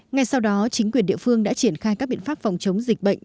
ngay sau đó chính quyền địa phương đã triển khai các biện pháp phòng chống dịch bệnh